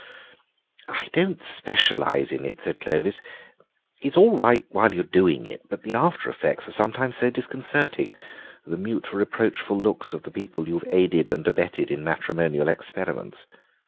"I don't specialise in it," said Clovis; "it's all right while you're doing it, but the after effects are sometimes so disconcerting—the mute reproachful looks of the people you've aided and abetted in matrimonial experiments.